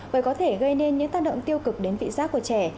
và có thể gây nên những tác động tiêu cực đến vị giác của trẻ